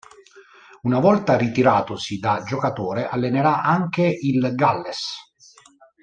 Una volta ritiratosi da giocatore, allenerà anche il Galles.